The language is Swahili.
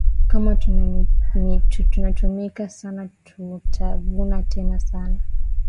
Kama tuna tumika sana tuta vuna tena sana